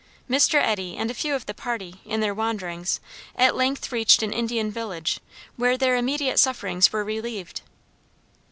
Mr. Eddy and a few of the party, in their wanderings, at length reached an Indian village, where their immediate sufferings were relieved.